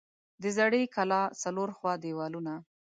د زړې کلا څلور خوا دیوالونه